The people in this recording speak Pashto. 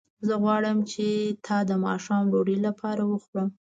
زه غواړم چې تا د ماښام ډوډۍ لپاره وخورم